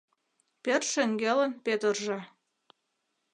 Пӧрт шеҥгелын Пӧтыржӧ